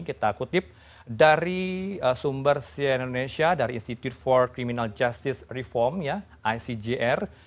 kita kutip dari sumber siena indonesia dari institute for criminal justice reform ya icjr